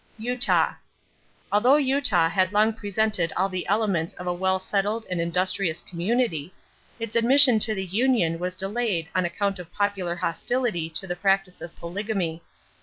=Utah.= Although Utah had long presented all the elements of a well settled and industrious community, its admission to the union was delayed on account of popular hostility to the practice of polygamy.